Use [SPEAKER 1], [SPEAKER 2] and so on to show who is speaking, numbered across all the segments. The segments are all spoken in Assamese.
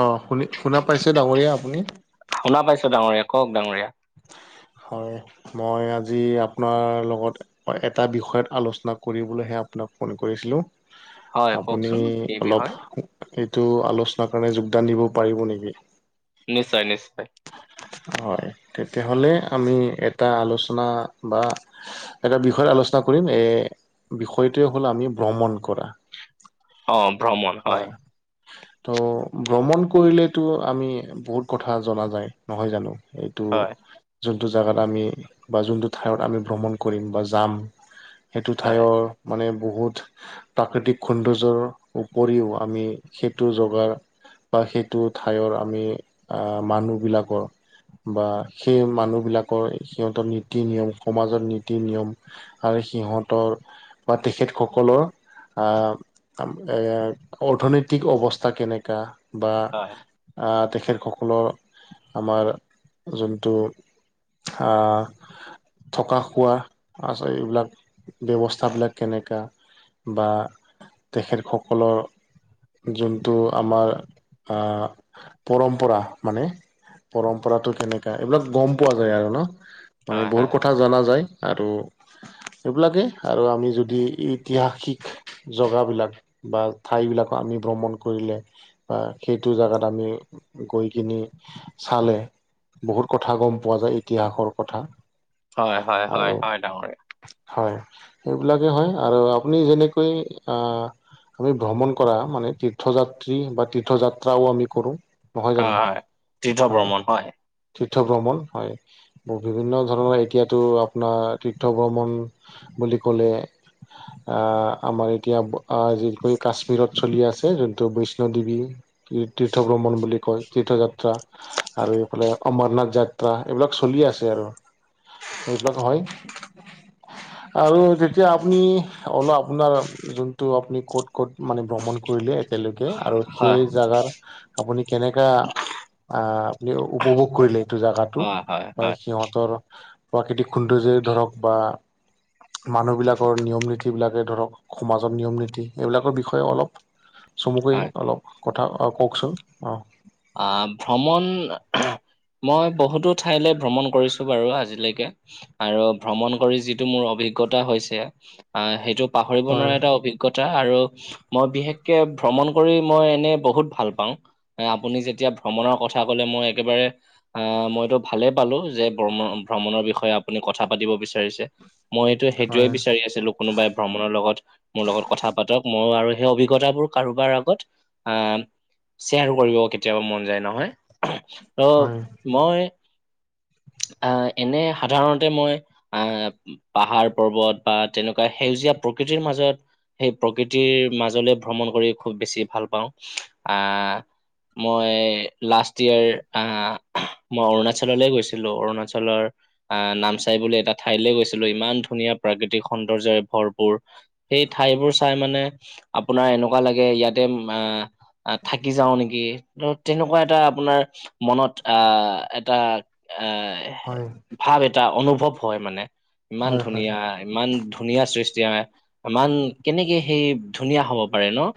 [SPEAKER 1] অ শুনা পাইছে ডাঙৰীয়া, আপুনি।
[SPEAKER 2] শুনা পাইছো ডাৰীয়া। কওঁক ডাঙৰীয়া।
[SPEAKER 1] হয় মই আজি আপোনাৰ লগত এটা বিষয়ত আলোচনা কৰিবলৈহে আপোনাক ফোন কৰিছিলো।
[SPEAKER 2] হয়
[SPEAKER 1] আপুনি
[SPEAKER 2] কওকচোন কি
[SPEAKER 1] অলপ
[SPEAKER 2] বিষয়
[SPEAKER 1] এইটো আলোচনাৰ কাৰণে যোগদান দিব পাৰিব নেকি?
[SPEAKER 2] নিশ্চয় নিশ্চয়।
[SPEAKER 1] হয় তেতিয়াহলে আমি এটা আলোচনা বা। এটা বিষয়ত আলোচনা কৰিম এ বিষয়টোৱে হ'ল আমি ভ্ৰমণ কৰা।
[SPEAKER 2] অ', ভ্ৰমণ হয়।
[SPEAKER 1] ত' ভ্ৰমণ কৰিলেতো আমি বহুত কথা জনা যায় নহয় জানো। এইটো
[SPEAKER 2] হয়
[SPEAKER 1] যোনটো জোগাত আমি বা যোনটো ঠাইত আমি ভ্ৰমণ, কৰিম বা যাম। সেইটো
[SPEAKER 2] হয়
[SPEAKER 1] ঠাইৰ মানে বহুত প্ৰাকৃতিক সৌন্দৰ্যৰ উপৰিও আমি সেইটো জগাৰ বা সেইটো ঠাইৰ আমি আহ মানুহ বিলাকৰ বা সেই মানুহবিলাকৰ সিহঁতৰ নীতি নিয়ম সমাজৰ নীতি নিয়ম আৰু সিহঁতৰ বা তেখেতসকলৰ অৰ্থনৈতিক অৱস্থা কেনেকা- বা
[SPEAKER 2] হয়
[SPEAKER 1] অ তেখেতসকলৰ আমাৰ যোনটো আহ থকা খোৱা আছে এইবিলাক ব্যৱস্থাবিলাক কেনেকা বা তেখেতসকলৰ যোনটো আমাৰ পৰম্পৰা মানে পৰম্পৰাতটো কেনেকা এইবিলাক গম পোৱা যায় আৰু ন'। মানে
[SPEAKER 2] হয়
[SPEAKER 1] বহুত কথা জনা যায় আৰু এইবিলাকেই আৰু আমি যদি ঐতিহাসিক জগাবিলাক বা ঠাই বিলাক আমি ভ্ৰমণ কৰিলে বা সেইটো জেগাত আমি গৈ খিনি চালে বহুত কথা গম পোৱা যায় ইতিহাসৰ কথা।
[SPEAKER 2] হয়, হয়,
[SPEAKER 1] আৰু
[SPEAKER 2] হয়, হয়, ডাঙৰিয়া।
[SPEAKER 1] হয়, সেইবিলাকে হয়, আৰু আপুনি যেনেকৈ আহ আমি ভ্ৰমণ কৰা মানে তীৰ্থযাত্ৰী, বা তীৰ্থযাত্ৰাও, আমি কৰো নহয়
[SPEAKER 2] হয়
[SPEAKER 1] জানো।
[SPEAKER 2] হয় তীৰ্থ ভ্ৰমন হয়।
[SPEAKER 1] তীৰ্থ ভ্ৰমণ হয়। বিভিন্ন ধৰণৰ এতিয়াতো আপোনাৰ তীৰ্থ ভ্ৰমণ বুলি ক'লে আমাৰ এতিয়া যি কাশ্মীৰত, চলি আছে যোনটো বৈষ্ণোদেৱী, তীৰ্থ ভ্ৰমণ বুলি কয়। তীৰ্থযাত্ৰা, আৰু এইফালে অমৰনাথ, যাত্ৰা এইবিলাক চলি আছে আৰু সেইবিলাক হয়। আৰু যেতিয়া আপুনি অলপ আপোনাৰ যোনটো আপুনি ক'ত ক'ত মানে ভ্ৰমণ কৰিলে এতিয়ালৈকে আৰু
[SPEAKER 2] হয়
[SPEAKER 1] সেই জেগাৰ আপুনি কেনে কা আহ উপভোগ কৰিলে এইটো জোগাটো
[SPEAKER 2] হয় হয়
[SPEAKER 1] বা
[SPEAKER 2] হয়
[SPEAKER 1] সিহঁতৰ প্ৰাকৃতিক সৌন্দৰ্যই ধৰক বা মানুহবিলাকৰ নিয়ম-নীতিবিলাকে ধৰক সমাজৰ নিয়ম-নীতি এইবিলাকৰ বিষয়ে অলপ চমুকৈ
[SPEAKER 2] হয়
[SPEAKER 1] অলপ কথা কওকচোন। অঁ
[SPEAKER 2] আহ ভ্ৰমণ মই বহুতো ঠাইলৈ ভ্ৰমণ কৰিছো বাৰু আজিলৈকে আৰু ভ্ৰমণ কৰি যিটো মোৰ অভিজ্ঞতা হৈছে আহ সেইটো পাহৰিব
[SPEAKER 1] হয়
[SPEAKER 2] নোৱাৰা এটা অভিজ্ঞ অভিজ্ঞতা আৰু মই বিশেষকৈ ভ্ৰমণ কৰি মই এনেই বহুত ভাল পাওঁ। এ আপুনি যেতিয়া ভ্ৰমণৰ কথা কলে মই একেবাৰে অহ মইতো ভালে পালো যে ভ্ৰমণৰ বিষয়ে আপুনি কথা পাতিব বিচাৰিছে। মইতো সেইটোৱে
[SPEAKER 1] হয়
[SPEAKER 2] বিচাৰি আছিলো কোনোবাই ভ্ৰমণৰ লগত মোৰ লগত কথা পাতক ময়ো আৰু সেই অভিজ্ঞতাবোৰ কাৰোবাৰ আগত আহ শ্বেয়াৰ কৰিব কেতিয়াবা মন যায় নহয়। ত
[SPEAKER 1] হয়
[SPEAKER 2] মই আহ এনে সাধাৰণতে মই আহ পাহাৰ-পৰ্বত বা তেনেকুৱা সেউজীয়া প্ৰকৃতিৰ মাজত সেই প্ৰকৃতিৰ মাজলৈ ভ্ৰমণ কৰি খুব বেছি ভাল পাওঁ আহ মই লাষ্টইয়েৰ আহ মই অৰুণাচললৈ গৈছিলো অৰুণাচলৰ আহ নামচাই বুলি এটা ঠাইলৈ গৈছিলো ইমান ধুনীয়া প্ৰাকৃতিক সৌন্দৰ্যৰে ভৰপুৰ। সেই ঠাইবোৰ চাই মানে আপোনাৰ এনেকুৱা লাগে ইয়াতে আহ থাকি যাওঁ নেকি ত তেনেকুৱা এটা আপোনাৰ মনত আহ এটা এ
[SPEAKER 1] হয়।
[SPEAKER 2] ভাৱ এটা অনুভৱ হয় মানে ইমান
[SPEAKER 1] হয় হয় হয়
[SPEAKER 2] ধুনীয়া। ইমান ধুনীয়া সৃষ্টি হয়ে ইমান কেনেকে সেই ধুনীয়া হব পাৰে ন।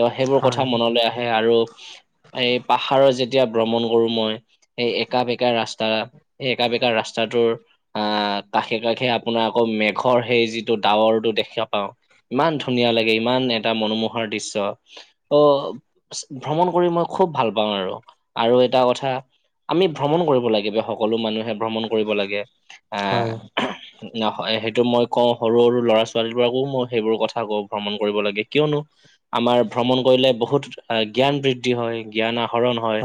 [SPEAKER 2] ত সেইবোৰ
[SPEAKER 1] হয়
[SPEAKER 2] কথা মনলৈ আহে আৰু এই পাহাৰত যেতিয়া ভ্ৰমণ কৰো মই এই একা-বেকা ৰাস্তা এই একা-বেকা ৰাস্তাটোৰ আহ কাষে-কাষে আপোনাৰ আকৌ মেঘৰ সেই যিটো ডাৱৰটো দেখা পাওঁ ইমান ধুনীয়া লাগে ইমান এটা মনোমোহাৰ দৃশ্য ত ভ্ৰমণ কৰি মই খুব ভাল পাওঁ আৰু। আৰু এটা কথা আমি ভ্ৰমণ কৰিব লাগিব সকলো মানুহে ভ্ৰমণ কৰিব লাগে আহ
[SPEAKER 1] [unintelligible]
[SPEAKER 2] সেইটো মই কওঁ সৰু সৰু ল'ৰা-ছোৱালীবোৰকো মই সেইবোৰ কথা কওঁ ভ্ৰমণ কৰিব লাগে। কিয়নো আমাৰ ভ্ৰমণ কৰিলে বহুত জ্ঞান বৃদ্ধি হয়, জ্ঞান আহৰণ হয়।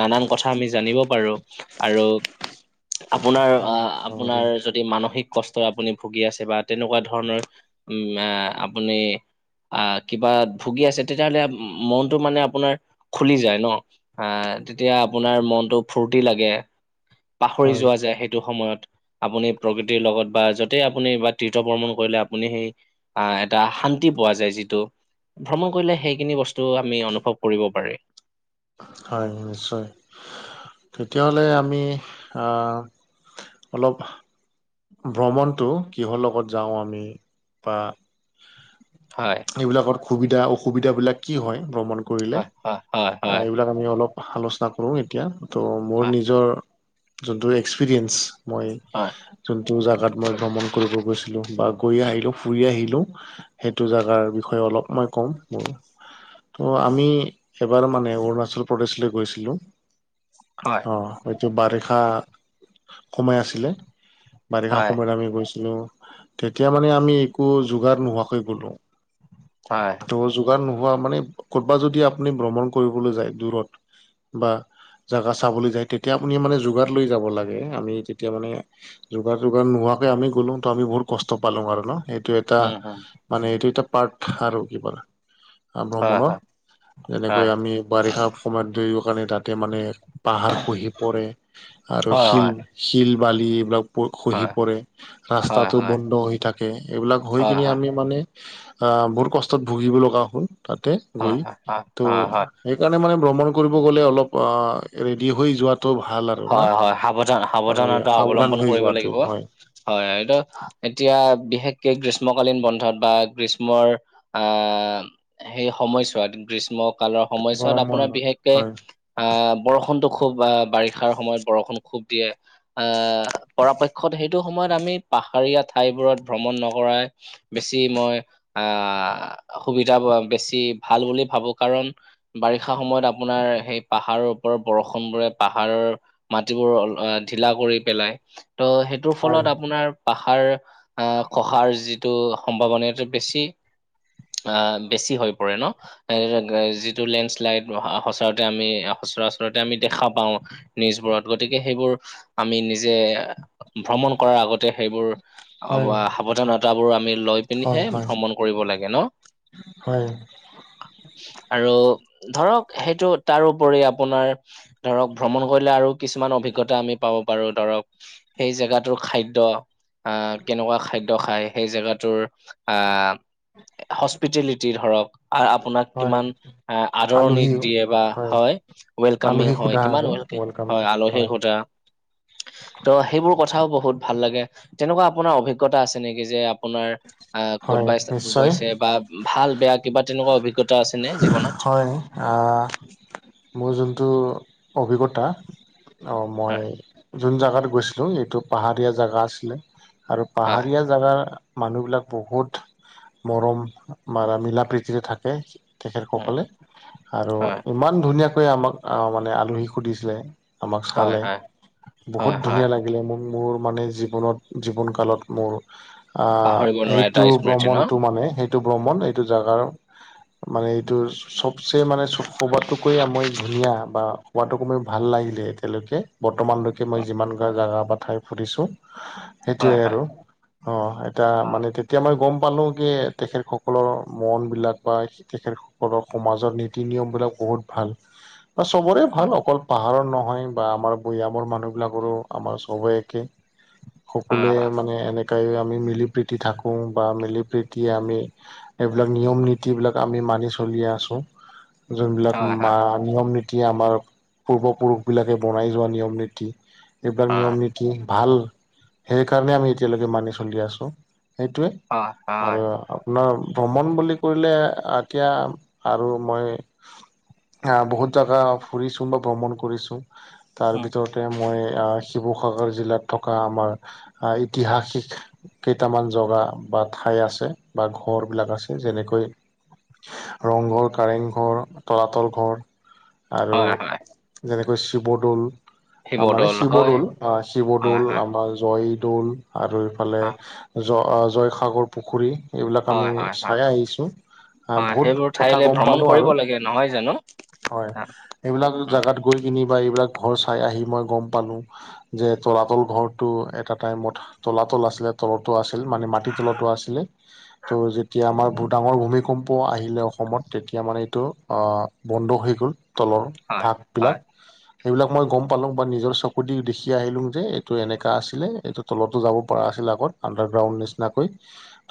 [SPEAKER 2] নানান কথা আমি জানিব পাৰো আৰু আপোনাৰ আহ আপোনাৰ
[SPEAKER 1] হয়
[SPEAKER 2] য'ত যদি মানসিক কষ্ট আপুনি ভুগি আছে বা তেনেকুৱা ধৰণৰ উম আপুনি আহ কিবাত ভুগি আছে তেতিয়া হ'লে মনটো মানে আপোনাৰ খুলি যায় ন আহ তেতিয়া আপোনাৰ মনটো ফূৰ্তি লাগে। পাহৰি
[SPEAKER 1] হয়
[SPEAKER 2] যোৱা যায় সেইটো সময়ত। আপুনি প্ৰকৃতিৰ লগত বা য'তেই আপুনি বা তীৰ্থ ভ্ৰমণ কৰিলে আপুনি সেই আহ এটা শান্তি পোৱা যায় যিটো ভ্ৰমণ কৰিলে সেইখিনি বস্তু আমি অনুভৱ কৰিব পাৰি।
[SPEAKER 1] হয় নিশ্চয়। তেতিয়া হ'লে আমি আহ অলপ ভ্ৰমণটো কিহৰ লগত যাওঁ আমি বা
[SPEAKER 2] হয়।
[SPEAKER 1] এইবিলাকৰ সুবিধা অসুবিধাবিলাক কি হয় ভ্ৰমণ কৰিলে
[SPEAKER 2] হয় হয় হয় হয়
[SPEAKER 1] এইবিলাক আমি অলপ আলোচনা কৰোঁ এতিয়া তো মোৰ নিজৰ যোনতো এক্সপিৰেচ। মই
[SPEAKER 2] হয়
[SPEAKER 1] যোনটো জাগাত মই ভ্ৰমণ কৰিব গৈছিলো বা। বা গৈ আহিলোঁ ফুৰি আহিলোঁ সেইটো জাগাৰ বিষয়ে অলপ মই ক'ম মোৰ। ত' আমি এবাৰ মানে অৰুণাচল প্ৰদেশলৈ গৈছিলোঁ।
[SPEAKER 2] হয়
[SPEAKER 1] অহ সেইটো বাৰিষা কমাই আছিলে। বাৰিষা
[SPEAKER 2] হয়
[SPEAKER 1] সময়ত আমি গৈছিলো তেতিয়া মানে আমি একো যোগাৰ নোহোৱাকৈ গ'লো।
[SPEAKER 2] হয়
[SPEAKER 1] নো যোগান নোহোৱা মানে কৰ'বাত যদি আপুনি ভ্ৰমণ কৰিবলৈ যায় দূৰত বা। জাগা চাবলৈ যায় তেতিয়া আপুনি মানে যোগান লৈ যাব লাগে আমি তেতিয়া মানে। যোগান যোগান নোহোৱাকে আমি গ'লো তো আমি বহুত কষ্ট পালোঁ আৰু ন সেইটো এটা।
[SPEAKER 2] উম উম
[SPEAKER 1] মানে এইটো এটা পাৰ্ট আৰু কি কলা। অ
[SPEAKER 2] হয়
[SPEAKER 1] ভ্ৰমণৰ
[SPEAKER 2] হয়
[SPEAKER 1] যেনেকৈ
[SPEAKER 2] হয়
[SPEAKER 1] আমি বাৰিষা সময়ত ধৰি কাৰনে তাত। তাতে মানে পাহাৰ খহি পৰে আৰু
[SPEAKER 2] হয়
[SPEAKER 1] শিল
[SPEAKER 2] হয়
[SPEAKER 1] শিল বালি এইবিলাক। বহুত খহি
[SPEAKER 2] হয়
[SPEAKER 1] পৰে
[SPEAKER 2] হয়
[SPEAKER 1] ৰাস্তাটো
[SPEAKER 2] হয়
[SPEAKER 1] বন্ধ হৈ থাকে এইবিলাক হৈ
[SPEAKER 2] হয়
[SPEAKER 1] কিনি
[SPEAKER 2] হয়
[SPEAKER 1] আমি মানে। আহ বহুত কষ্টত ভুগিব লগা হ'ল তাতে
[SPEAKER 2] হয়
[SPEAKER 1] গৈ
[SPEAKER 2] হয়
[SPEAKER 1] ত'
[SPEAKER 2] হয় হয়
[SPEAKER 1] সেইকাৰণে মানে ভ্ৰমণ কৰিব গ'লে অলপ অহ ৰেডি হৈ যোৱাটো ভাল আ
[SPEAKER 2] হয় হয় সাৱধান সাৱধানতা অৱলম্বন
[SPEAKER 1] হৈ
[SPEAKER 2] কৰিব
[SPEAKER 1] যোৱাটো
[SPEAKER 2] লাগিব হয় এইটো। এতিয়া বিশেষকে গ্ৰীষ্মকালীন বন্ধত বা গ্ৰীষ্মৰ আহ। সেই সময়ছোৱাত, গ্ৰীষ্ম কালৰ সময়ছোৱাত।
[SPEAKER 1] গৰম
[SPEAKER 2] আপোনাৰ
[SPEAKER 1] বন্ধত
[SPEAKER 2] বিশেষকে।
[SPEAKER 1] হয়
[SPEAKER 2] অ'হ, বৰষুণতটো খুব বাৰিষ। ষাৰ সময়ত বৰষুণ খুব দিয়ে। আহ, পৰাপক্ষত সেইটো সময়ত আমি পাহাৰীয়া। ঠাইবোৰত ভ্ৰমণ নকৰাই। বেছি মই, আহ, সুবিধাবোৰ বেছি ভাল বুলি ভাবো। কাৰণ। বাৰিষা সময়ত আপোনাৰ, সেই পাহাৰৰ ওপৰ বৰষুণ বোৰে পাহ হাৰ, মাটিবোৰ অ ধিলা কৰি পেলাই। ত' সেইটোৰ
[SPEAKER 1] হয়
[SPEAKER 2] ফলত আপোনাৰ। পাহাৰ আহ, খহাৰ যিটো সম্ভাৱনিয়তা বেছি। অঁ', বেছি হৈ পৰে ন'?। এযিটো লেণ্ডশ্লাইড সচৰাতে আমি সচৰাচৰতে আমি দেখা পাওঁ [unintelligible] নিউজবোৰত গতিকে সেইবোৰ আমি নিজে ভ্ৰমণ কৰাৰ আগতে সেইবোৰ। অ
[SPEAKER 1] হয়
[SPEAKER 2] হা সাৱধানতাবোৰ আমি লৈ
[SPEAKER 1] হয়
[SPEAKER 2] পিনিহে
[SPEAKER 1] হয়
[SPEAKER 2] ভ্ৰমণ কৰিব লাগে ন।
[SPEAKER 1] হয়
[SPEAKER 2] আৰু ধৰক সেইটো তাৰপৰি আপোনাৰ ধৰক ভ্ৰমণ কৰিলে আৰু কিছুমান অভিজ্ঞতা আমি পাব পাৰোঁ ধৰক সেই জেগাটোৰ খাদ্য। আহ কেনেকুৱা খাদ্য খায় সেই জেগাটোৰ আহ। হস্পিটেলিটি ধৰক। আ-আপোনাক
[SPEAKER 1] হয়
[SPEAKER 2] কিমান, আদৰণি
[SPEAKER 1] আলহী
[SPEAKER 2] দিয়ে বা হয়, ওৱেলকামি
[SPEAKER 1] আলহী
[SPEAKER 2] হয়।
[SPEAKER 1] সোধা
[SPEAKER 2] কিমান
[SPEAKER 1] আৰু
[SPEAKER 2] ওৱেল কে
[SPEAKER 1] ৱেলকাম
[SPEAKER 2] হয়, আলহীৰ সুধা। ত' সেইবোৰ কথাও বহুত ভাল লাগে। যেনেকুৱা আপোনাৰ অভিজ্ঞতা আছে নেকি? যে। আপোনাৰ, আহ,
[SPEAKER 1] হয়
[SPEAKER 2] ক'তবাই
[SPEAKER 1] নিশ্চয়
[SPEAKER 2] গৈছে বা। ভাল বেয়া কিবা তেনেকুৱা অভিজ্ঞতা আছেনে, জীৱনত?।
[SPEAKER 1] হয়, আ'হ মোৰ যোনটো অভিজ্ঞতা। অঁহ মই
[SPEAKER 2] হয়
[SPEAKER 1] যোন জেগাত গৈছিলোঁ, এইটো পাহাৰীয়া জাগা আছিলে। আৰু
[SPEAKER 2] হয়
[SPEAKER 1] পাহাৰীয়া জাগাৰ। মানুহবিলাক বহুত মৰম, মৰা মিলা প্ৰীতিৰে থাকে। তেখেত
[SPEAKER 2] উম,
[SPEAKER 1] সকল, আৰু
[SPEAKER 2] হয়,
[SPEAKER 1] ইমান ধুনীয়াকৈ আমাক আহ, মানে আলহী সুধিছিলে। আমাক
[SPEAKER 2] হয়,
[SPEAKER 1] চালে,
[SPEAKER 2] হয়,
[SPEAKER 1] বহুত
[SPEAKER 2] হয়, হয়।
[SPEAKER 1] ধুনীয়া লাগে। মোৰ, মোৰ মানে জীৱনত, জীৱন কালত মোৰ আহ,
[SPEAKER 2] পাহৰিব নোৱাৰা এটা
[SPEAKER 1] সেইটো
[SPEAKER 2] স্মৃতি ন?
[SPEAKER 1] ভ্ৰমণটো মানে, সেইটো এইটো ভ্ৰমণ, এইটো জেগাৰ, মানে এই টো, চবচে মানে, সবাতোকৈ মই ধুনীয়া বা হোৱাটোকো মোৰ ভাল লাগিলে এতিয়ালৈকে, বৰ্তমানলৈকে মই যিমান গা, জাগা বা ঠাই ফুৰিছোঁ।
[SPEAKER 2] হয়,
[SPEAKER 1] সেইটোয়ে
[SPEAKER 2] হয়,
[SPEAKER 1] আৰু, অ', এটা
[SPEAKER 2] হয়,
[SPEAKER 1] মানে তে এতিয়া মই গম পালো কি তেখেতসকলৰ মনবিলাক বা তেখেত সকলৰ সমাজৰ নীতি নিয়মবিলাক, বহুত ভাল। বা চবৰে ভাল।
[SPEAKER 2] হয়,
[SPEAKER 1] অকল পাহাৰৰ নহয়, বা আমাৰ ভৈয়ামৰ মানুহবিলাকৰো আমাৰ চবে একে।
[SPEAKER 2] হয়,
[SPEAKER 1] সকলোৱে
[SPEAKER 2] হয়,
[SPEAKER 1] মানে এনে কেই আমি মিলি প্ৰীতি থাকো, বা মিলি প্ৰীতি আমি এইবিলাক, নিয়ম নীতি বিলাক আমি মানি চলিয়ে আছো। যোনবিলাক
[SPEAKER 2] হয়,
[SPEAKER 1] মা
[SPEAKER 2] হয়,
[SPEAKER 1] নিয়ম নীতি আমাৰ, পূৰ্বপুৰুষবিলাকে বনাই যোৱা নিয়ম নীতি। এইবিলাক, নিয়ম নী তি ভাল, সেই কাৰণে আমি এতিয়ালৈকে, মানি চলি আছো। সেইটোৱে,
[SPEAKER 2] হয়, হয়, হয়,
[SPEAKER 1] আৰু আপোনাৰ ভ্ৰমণ বুলি কৰিলে এতিয়া আৰু মই, বহুত জেগা ফুৰিছোঁ বা ভ্ৰমণ কৰিছোঁ। তাৰ
[SPEAKER 2] উম,
[SPEAKER 1] ভিতৰতে মই শিৱসাগৰ জিলাত থকা আমাৰ ইতিহাসিক কেইটামান জগা বা ঠাই আছে, বা ঘৰবিলাক আছে। যেনেকৈ ৰংঘৰ, কাৰেংঘৰ, তলাতল ঘৰ আৰু
[SPEAKER 2] হয়, হয়।
[SPEAKER 1] যেনেকৈ শিৱদৌল। মানে শিৱদৌল, অ',
[SPEAKER 2] হয়,
[SPEAKER 1] শিৱদৌল,
[SPEAKER 2] হয়,
[SPEAKER 1] আমাৰ জয়দৌল আৰু ইফালে
[SPEAKER 2] হয়,
[SPEAKER 1] জ-জয়সাগৰ পুখুৰী। এইবিলাক
[SPEAKER 2] হয়,
[SPEAKER 1] আমি
[SPEAKER 2] হয়, হয়,
[SPEAKER 1] চাই আহিছোঁ
[SPEAKER 2] হয়, সেইবোৰ
[SPEAKER 1] বহুত কথা
[SPEAKER 2] ঠাইলে
[SPEAKER 1] গম
[SPEAKER 2] ভ্ৰমণ
[SPEAKER 1] পালো
[SPEAKER 2] কৰিব
[SPEAKER 1] আৰু
[SPEAKER 2] লাগে নহয় জানো?
[SPEAKER 1] হয়
[SPEAKER 2] অ,
[SPEAKER 1] এইবিলাক
[SPEAKER 2] উম,
[SPEAKER 1] জাগাত গৈ কিনি বা এইবিলাক ঘৰ চাই আহি মই গম পালো যে তলাতল ঘৰটো এটা টাইমত তলাতল আছিলে তলটো আছিল মানে মাটি তলটো আছিলে ত' যেতিয়া আমাৰ ভুটাঙৰ ভূমিকম্প আহিলে অসম অসমত তেতিয়া মানে এইটো বন্ধ হৈ গ'ল তলৰ
[SPEAKER 2] হয়,
[SPEAKER 1] ভাগবিলাক
[SPEAKER 2] হয়,
[SPEAKER 1] সেইবিলাক মই গম পালোঁ বা নিজৰ চকু দি দেখি আহিলোঁ যে এইটো এনেকুৱা আছিলে এইটো তলতো যাব পৰা আছিল আগত আণ্ডাৰ গ্ৰাউণ্ড নিচিনাকৈ,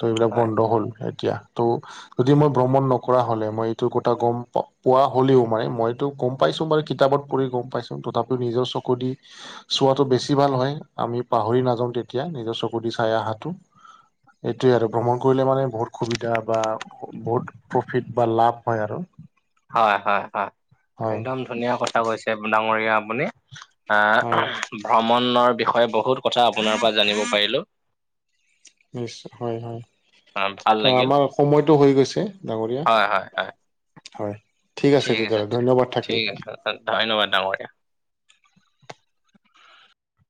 [SPEAKER 1] ত' এইবিলাক
[SPEAKER 2] হয়,
[SPEAKER 1] বন্ধ হ'ল। এতিয়া ত' যদি মই ভ্ৰমণ ন কৰা হলে, মই এইটো কথা গম পোৱা হলেও মানে, মই এইটো গম পাইছো, মানে কিতাপত পঢ়ি গম পাইছো। তথাপি টো নিজৰ চকু দি চোৱাতটো বেছি ভাল হয়। আমি পাহৰি নাযাওঁ তেতিয়া, নিজৰ চকু দি চাই আহাটো। এইটোৱে আৰু, ভ্ৰমণ কৰিলে মানে বহুত সুবিধা বা, বহুত প্ৰফিট বা লাভ হয় আৰু।
[SPEAKER 2] হয়-হয়-হয়,
[SPEAKER 1] হয়
[SPEAKER 2] একদম ধুনীয়া কথা কৈছে, ডাঙৰীয়া আপুনি।
[SPEAKER 1] হয়
[SPEAKER 2] আহ ভ্ৰমণৰ বিষয়ে বহুত কথা আপোনাৰ পৰা জানিব পাৰিলো
[SPEAKER 1] নিশ্চয় হয় হয়
[SPEAKER 2] ভাল
[SPEAKER 1] অ
[SPEAKER 2] লাগিল।
[SPEAKER 1] আমাৰ সময়টো হৈ গৈছে
[SPEAKER 2] হয়, হয়, হয়,
[SPEAKER 1] ডাঙৰীয়া হয় ঠিক আছে তেতিয়াহ'লে ধন্যবাদ
[SPEAKER 2] ঠিক
[SPEAKER 1] থাকিল
[SPEAKER 2] আছে, ধন্যবাদ ডাঙৰীয়া